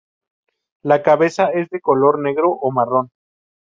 La cabeza es de color negro o marrón.